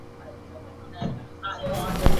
توایسے خاکے ادبی تاریخ کا مستقل حصہ بن جا تے ہیں۔